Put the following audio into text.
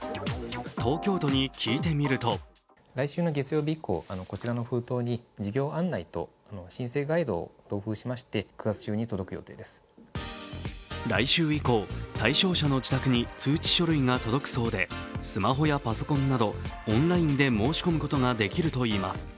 東京都に聞いてみると来週以降、対象者の自宅に通知書類が届くそうでスマホやパソコンなどオンラインで申し込むことができるといいます